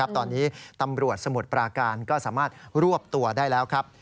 ตอนนี้ตำรวจสมุทรปราการก็สามารถรวบตัวได้แล้วครับ